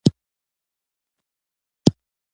زما په دغه ليکنه کې ښايي